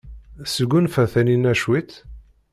Tesgunfa Taninna cwiṭ?